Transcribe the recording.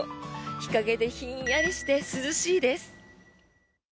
日陰でひんやりして涼しいです。